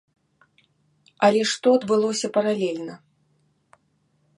Але што адбылося паралельна?